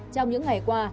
trong những ngày qua